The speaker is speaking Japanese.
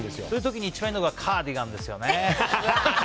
そういう時に一番いいのがカーディガンですよね。